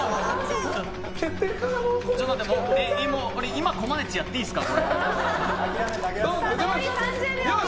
今コマネチやっていいですか？